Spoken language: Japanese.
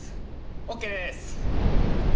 オッケーです。